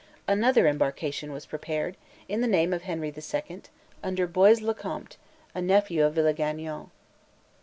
Another embarkation was prepared, in the name of Henry the Second, under Bois Lecomte, a nephew of Villegagnon.